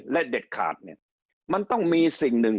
และเด็ดขาดเนี่ยมันต้องมีสิ่งหนึ่ง